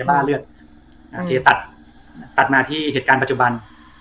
อาทิตย์ตัดมาที่เหตุการณ์ปัจจุบัน